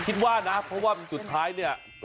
คิดว่านะเพราะว่าสุดท้ายเนี่ย